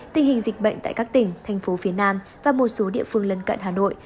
tình hình dịch bệnh tại các tỉnh thành phố phía nam và một số địa phương lân cận hà nội